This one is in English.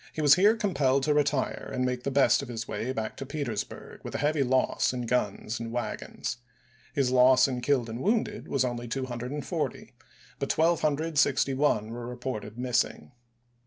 was here compelled to retire and make the best of his way back to Petersburg, with a heavy loss in guns and wagons. His loss in killed and wounded was only 240, but 1261 were reported missing.